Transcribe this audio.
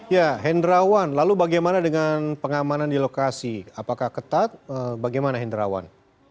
ya hendrawan lalu bagaimana dengan pengamanan di lokasi apakah ketat bagaimana hendrawan